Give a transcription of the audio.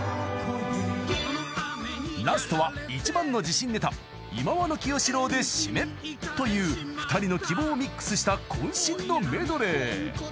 ［ラストは一番の自信ネタ忌野清志郎で締めという２人の希望をミックスした渾身のメドレー］